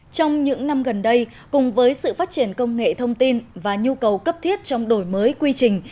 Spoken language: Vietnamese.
trong những năm gần đây cùng với sự phát triển công nghệ thông tin và nhu cầu cấp thiết trong đổi mới quy trình